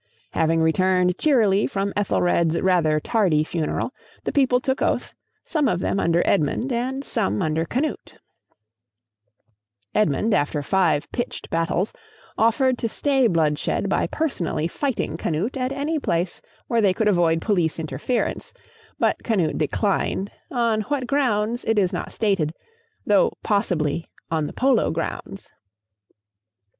Having returned cheerily from Ethelred's rather tardy funeral, the people took oath, some of them under Edmund and some under Canute. Edmund, after five pitched battles, offered to stay bloodshed by personally fighting Canute at any place where they could avoid police interference, but Canute declined, on what grounds it is not stated, though possibly on the Polo grounds. [Illustration: SONS OF EDMUND SENT TO OLAF.